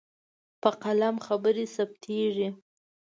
په قلم خبرې ثبتېږي.